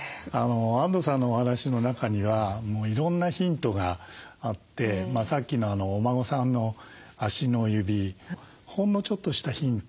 安藤さんのお話の中にはいろんなヒントがあってさっきのお孫さんの足の指ほんのちょっとしたヒント